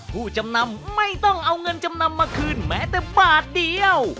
ผู้จำนำไม่ต้องเอาเงินจำนำมาคืนแม้แต่บาทเดียว